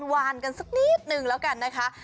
วานกันสักนิดนึงแล้วกันนะคะ